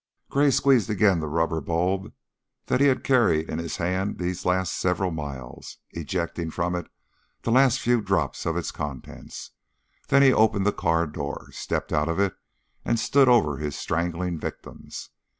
Gray squeezed again the rubber bulb that he had carried in his hand these last several miles, ejecting from it the last few drops of its contents, then he opened the car door, stepped out of it and stood over his strangling victims.